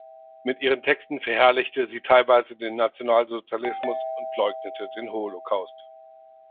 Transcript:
Mit ihren Texten verherrlichte sie teilweise den Nationalsozialismus und leugnete den Holocaust.